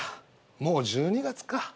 もう１２月か。